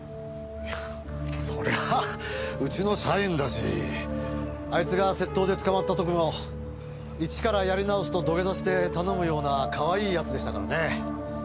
いやそりゃあうちの社員だしあいつが窃盗で捕まった時も一からやり直すと土下座して頼むようなかわいい奴でしたからね。